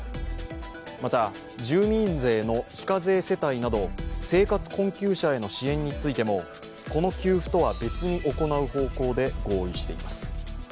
また、住民税の非課税世帯など生活困窮者への支援についてもこの給付とは別に行う方向で合意しています。